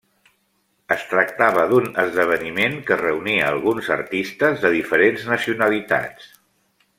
Es tractava d'un esdeveniment que reunia a alguns artistes de diferents nacionalitats.